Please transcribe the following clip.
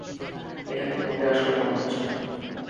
এটাকে মোটেই আসল মনে হচ্ছে না।